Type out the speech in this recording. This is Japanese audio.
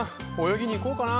泳ぎに行こうかな。